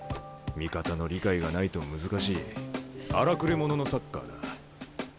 味方の理解がないと難しい荒くれ者のサッカーだ。